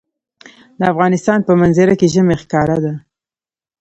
د افغانستان په منظره کې ژمی ښکاره ده.